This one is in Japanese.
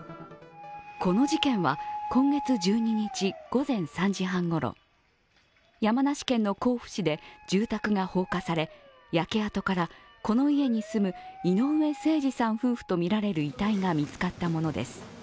この事件は今月１２日午前３時半ごろ山梨県の甲府市で住宅が放火され焼け跡からこの家に住む井上盛司さん夫婦とみられる遺体が見つかったものです。